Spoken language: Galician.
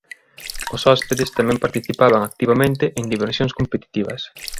Os hóspedes tamén participaban activamente en diversións competitivas.